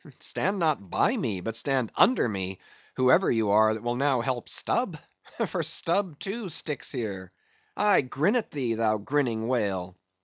"Stand not by me, but stand under me, whoever you are that will now help Stubb; for Stubb, too, sticks here. I grin at thee, thou grinning whale!